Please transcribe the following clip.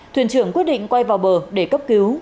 thuyền trưởng quyết định quay vào bờ để cấp cứu